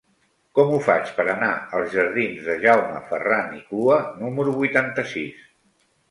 Com ho faig per anar als jardins de Jaume Ferran i Clua número vuitanta-sis?